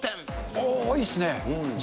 ああ、いいっすね。